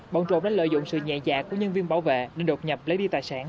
bọn trộm đã lợi dụng sự nhẹ dạ của nhân viên bảo vệ nên đột nhập lấy đi tài sản